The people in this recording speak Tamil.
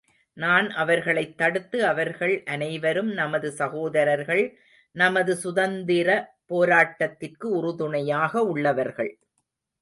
நான் அவர்களைத் தடுத்து அவர்கள் அனைவரும் நமது சகோதரர்கள், நமது சுதந்திர போராட்டத்திற்கு உறுதுணையாக உள்ளவர்கள்.